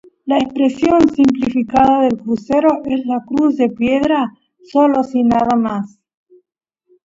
La expresión simplificada del crucero es la cruz de piedra, sola, sin nada más.